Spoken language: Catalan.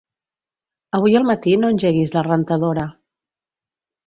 Avui al matí no engeguis la rentadora.